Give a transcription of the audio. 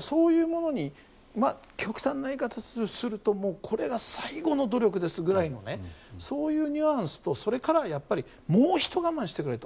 そういうものに極端な言い方をするとこれが最後の努力ですぐらいのそういうニュアンスとそれからはやっぱりもうひと我慢してくれと。